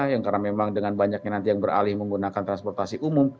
karena memang dengan banyak yang nanti beralih menggunakan transportasi umum